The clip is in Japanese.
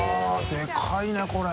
でかいねこれ。